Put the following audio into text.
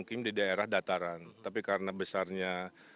kita akan ampun khususnya